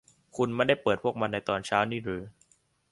คุณไม่ได้เปิดพวกมันในตอนเช้านี้หรือ